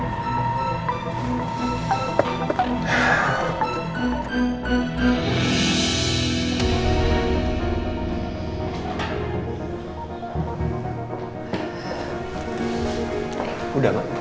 ya udah mak